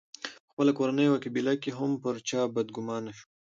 په خپله کورنۍ او قبیله کې هم پر چا بدګومان شو.